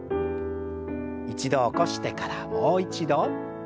一度起こしてからもう一度。